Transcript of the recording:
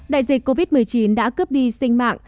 đại dịch covid một mươi chín đã cướp đi sinh mạng